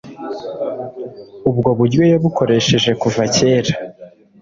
Ubwo buryo yabukoresheje kuva kera